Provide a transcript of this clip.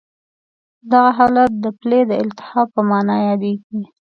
دغه حالت د پلې د التهاب په نامه یادېږي.